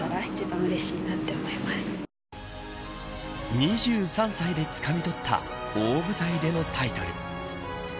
２３歳でつかみ取った大舞台でのタイトル。